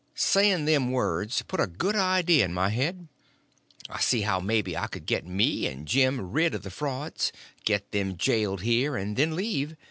Saying them words put a good idea in my head. I see how maybe I could get me and Jim rid of the frauds; get them jailed here, and then leave.